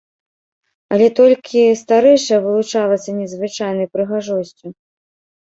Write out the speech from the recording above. Але толькі старэйшая вылучалася незвычайнай прыгажосцю.